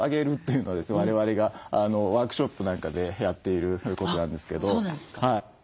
我々がワークショップなんかでやっていることなんですけど。